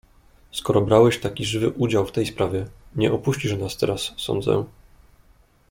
"Skoro brałeś taki żywy udział w tej sprawie, nie opuścisz nas teraz, sądzę."